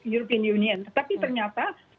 european union tapi ternyata